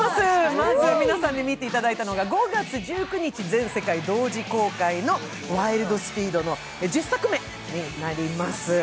まず皆さんに見ていただいたのが５月１９日全世界同時公開の「ワイルド・スピード」の１０作目になります。